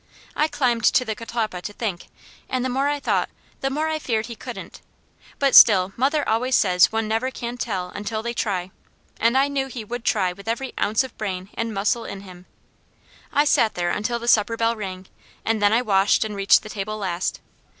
I climbed to the catalpa to think, and the more I thought, the more I feared he couldn't; but still mother always says one never can tell until they try, and I knew he would try with every ounce of brain and muscle in him. I sat there until the supper bell rang, and then I washed and reached the table last.